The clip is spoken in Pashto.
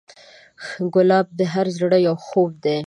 ګلاب د هر زړه یو خوب دی.